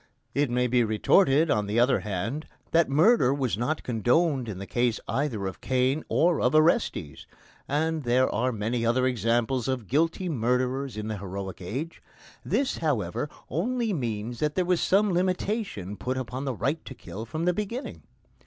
It may be retorted, on the other hand, that murder was not condoned in the case either of Cain or of Orestes, and there are many other examples of guilty murderers in the heroic age. This, however, only means that there was some limitation put upon the right to kill from the beginning.